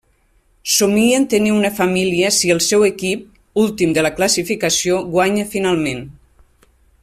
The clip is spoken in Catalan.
Somien tenir una família si el seu equip, últim de la classificació, guanya finalment.